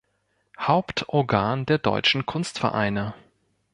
Hauptorgan der deutschen Kunstvereine.